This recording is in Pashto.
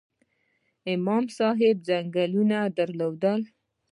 امام صاحب ځنګلونه درلودل؟